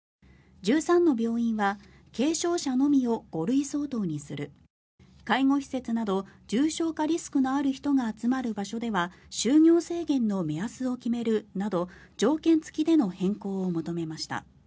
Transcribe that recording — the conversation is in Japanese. １３の病院は軽症者のみを５類相当にする介護施設など重症化リスクのある人が集まる場所では就業制限の目安を決めるなど条件付きでの変更を求めました。